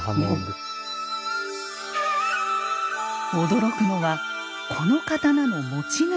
驚くのはこの刀の持ち主。